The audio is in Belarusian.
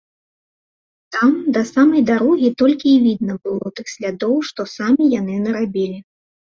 Там да самай дарогі толькі й відна было тых слядоў, што самі яны нарабілі.